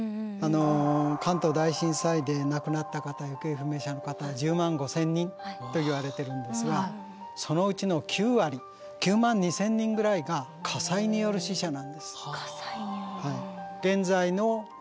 関東大震災で亡くなった方行方不明者の方１０万５，０００人といわれてるんですがそのうちの９割９万２，０００人ぐらいが火災による死者なんです。